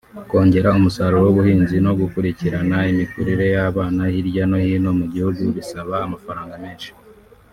Kongera umusaruro w’ubuhinzi no gukurikirana imikurire y’abana hirya no hino mu gihugu bisaba amafaranga menshi”